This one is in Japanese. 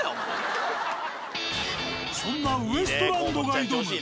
そんなウエストランドが挑む